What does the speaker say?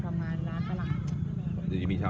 ก็ไม่รักก็ไม่รักก็ไม่รัก